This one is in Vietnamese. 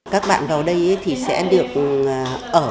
các bạn vào đây thì sẽ được ở